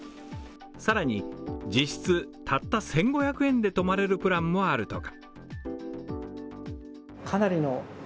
さらに、実質たった１５００円で泊まれるプランもあるとか。